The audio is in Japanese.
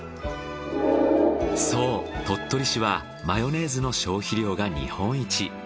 そう鳥取市はマヨネーズの消費量が日本一。